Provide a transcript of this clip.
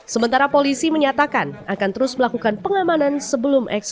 sementara polisi menyatakan akan terus melakukan pengamanan sebelum eksekusi